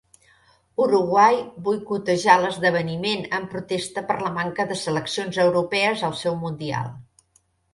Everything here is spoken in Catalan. Uruguai boicotejà l'esdeveniment en protesta per la manca de seleccions europees al seu mundial.